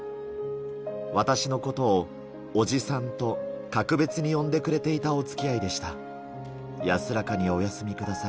私のことをおじさんと、格別に呼んでくれていたおつきあいでした。